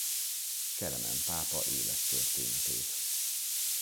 Kelemen pápa élettörténetét.